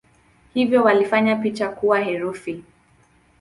Hivyo walifanya picha kuwa herufi.